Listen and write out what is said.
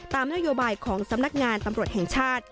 นโยบายของสำนักงานตำรวจแห่งชาติ